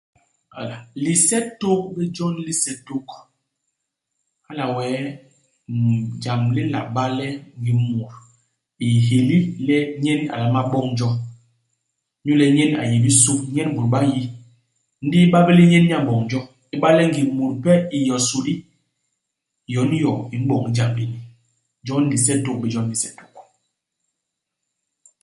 Hala. Lisetôk bé jon li nse tôk. Hala wee, mm jam li nla ba le ngim mut i héli le nyen a nlama boñ jo, inyu le nyen a yé i bisu, nyen bôt ba n'yi. Ndi i ba bé le nyen nye a m'boñ jo. I ba le ngim mut ipe yo i sôli, yon yo i m'boñ ijam li. Jon lisetôk bé jon li nse tôk.